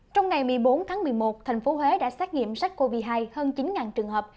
trong ngày một mươi bốn tháng một mươi một thành phố huế đã xét nghiệm sát covid một mươi chín hơn chín trường hợp